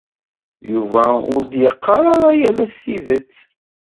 Yuba ur d-yeqqar ara yal ass tidet.